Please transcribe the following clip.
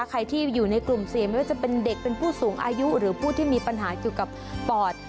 ใครที่อยู่ในกลุ่มเสี่ยงไม่ว่าจะเป็นเด็กเป็นผู้สูงอายุหรือผู้ที่มีปัญหาเกี่ยวกับปอด